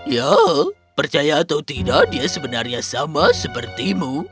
ya percaya atau tidak dia sebenarnya sama sepertimu